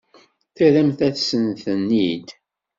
Terramt-asen-ten-id.